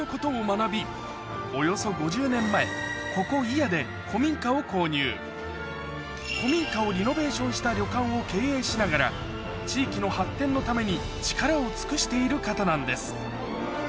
アメリカ人の名門古民家をリノベーションした旅館を経営しながら地域の発展のために力を尽くしている方なんです